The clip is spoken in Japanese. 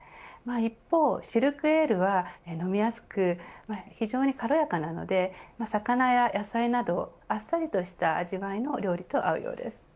一方、シルクエールは飲みやすく非常に軽やかなので魚や野菜などあっさりとした味わいの料理と合うようです。